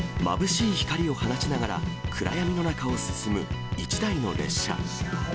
まぶしい光を放ちながら、暗闇の中を進む１台の列車。